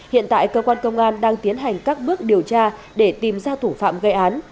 hiện tại cơ quan công an đang tiến hành các bước điều tra để tìm ra thủ phạm gây án